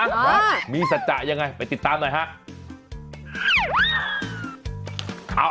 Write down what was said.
อ้ามีสัจจ่ายังไงไปติดตามดีกว่าฮะ